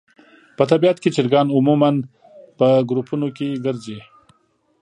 په طبیعت کې چرګان عموماً په ګروپونو کې ګرځي.